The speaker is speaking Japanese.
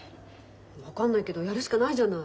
分かんないけどやるしかないじゃない。